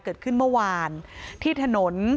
เกิดขึ้นเมื่อวานที่ถนน